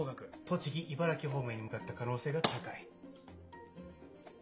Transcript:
栃木茨城方面に向かった可能性が高い。